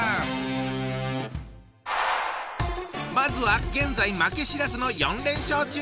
まずは現在負け知らずの４連勝中！